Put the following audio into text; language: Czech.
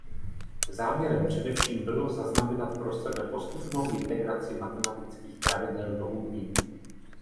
Záměrem především bylo zaznamenat pro sebe postupnou integraci matematických pravidel do umění.